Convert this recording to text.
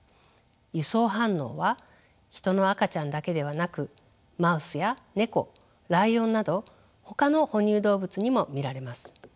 輸送反応はヒトの赤ちゃんだけではなくマウスやネコライオンなどほかの哺乳動物にも見られます。